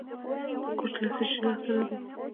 کوچ له څه شي لاسته راځي؟